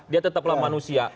dia tetaplah manusia